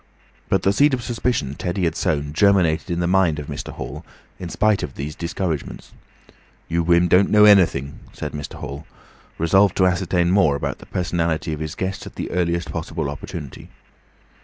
But the seed of suspicion Teddy had sown germinated in the mind of Mr. Hall in spite of these discouragements. "You wim' don't know everything," said Mr. Hall, resolved to ascertain more about the personality of his guest at the earliest possible opportunity.